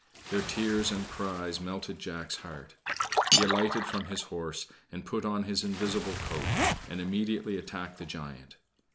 Their tears and cries melted Jack's heart. He alighted from his horse, and put on his invisible coat, and immediately attacked the giant.